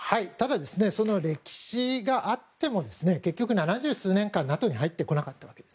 その歴史があっても結局、七十数年間ＮＡＴＯに入ってこなかった。